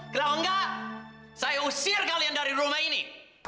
kalau enggak saya usir kalian dari rumah ini